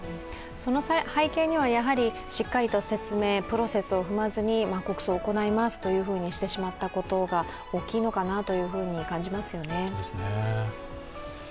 その背景にはやはり、しっかりと説明、プロセスを踏まずに国葬を行いますとしてしまったことが大きいのかなと感じますよね。